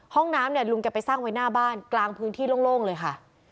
ห้องน้ำเนี่ยลุงแกไปสร้างไว้หน้าบ้านกลางพื้นที่โล่งเลยค่ะ